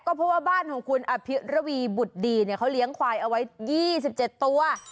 เพราะว่าบ้านของคุณอภิระวีบุตรดีเขาเลี้ยงควายเอาไว้๒๗ตัว